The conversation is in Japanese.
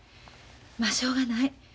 ましょうがない。